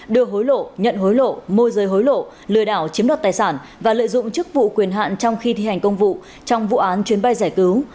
đưa hối lộ nhận hối lộ môi rơi hối lộ lừa đảo chiếm đoạt tài sản và lợi dụng chức vụ quyền hạn trong khi thi hành công vụ trong vụ án chuyến bay giải cứu